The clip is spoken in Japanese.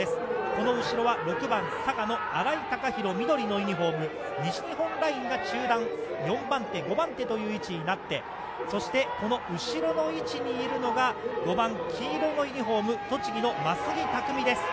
この後ろは６番佐賀の荒井崇博、緑のユニホーム、西日本ラインが中断、４番手、５番手という位置になって、そしてその後ろの位置にいるのが、５番黄色のユニホーム、栃木の眞杉匠です。